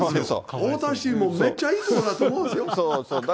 太田市もめっちゃいい所だと思うんですよ。